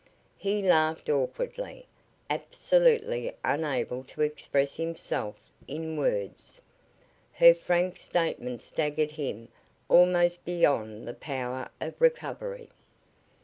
He laughed awkwardly, absolutely unable to express himself in words. Her frank statement staggered him almost beyond the power of recovery.